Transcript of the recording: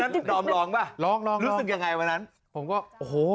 ให้น้ำลองบ่ะลองลองลองรู้สึกยังไงวันนั้นผมก็โอ้โห